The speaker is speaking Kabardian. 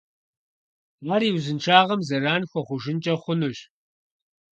Ар и узыншагъэм зэран хуэхъужынкӀэ хъунущ.